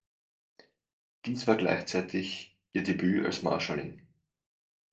Dies war gleichzeitig ihr Debüt als Marschallin.